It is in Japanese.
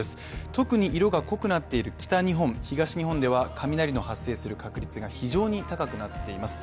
特に色が濃くなっている北日本東日本では雷の発生する確率が非常に高くなっています。